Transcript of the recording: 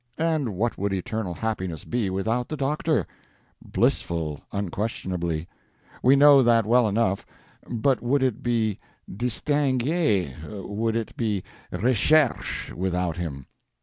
And what would eternal happiness be without the Doctor? Blissful, unquestionably we know that well enough but would it be 'distingue,' would it be 'recherche' without him?